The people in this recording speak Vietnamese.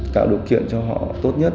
cạo được kiện cho họ tốt nhất